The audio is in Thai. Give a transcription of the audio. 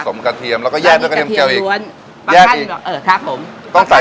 ผสมกระเทียมแล้วก็แยกด้วยกระเทียมเกลียวอีกแยกอีกเออครับผมต้องไป